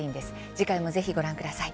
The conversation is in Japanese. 次回もぜひご覧ください。